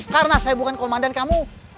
karena saya bukan komandan kamu